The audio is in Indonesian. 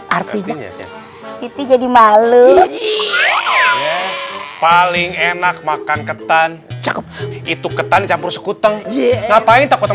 artinya sipi jadi malu paling enak makan ketan cakep itu ketan campur sekuteng ngapain takut